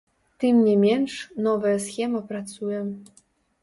Тым не менш, новая схема працуе.